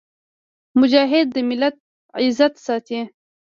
مجاهد د ملت عزت ساتي.